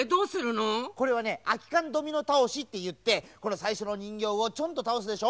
これはね「あきかんドミノたおし」っていってこのさいしょのにんぎょうをちょんとたおすでしょ。